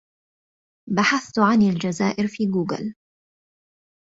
بحثت عن الجزائر في جوجل.